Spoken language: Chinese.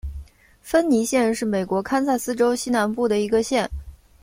芬尼县是美国堪萨斯州西南部的一个县。